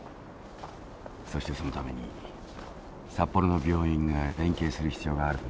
そしてそのために札幌の病院が連携する必要があるということも。